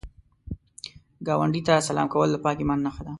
ګاونډي ته سلام کول د پاک ایمان نښه ده